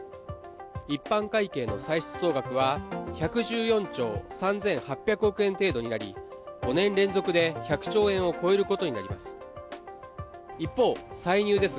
一般会計の歳出総額は１１４兆３８００億円程度となり、５年連続で１００兆円を超えることになります。